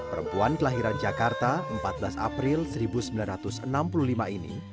perempuan kelahiran jakarta empat belas april seribu sembilan ratus enam puluh lima ini